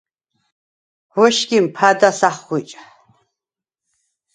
ღუ̂ეშგიმ ფა̄და̈ს ახღუ̂იჭ.